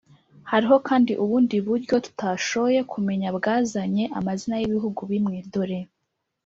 -hariho kandi ubundi buryo tutashoye kumenya bwazanye amazina y’ibihugu bimwe. dore